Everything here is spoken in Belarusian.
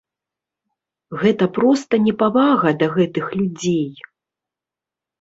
Гэта проста непавага да гэтых людзей!